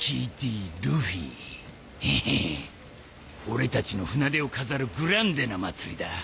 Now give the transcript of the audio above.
俺たちの船出を飾るグランデな祭りだ。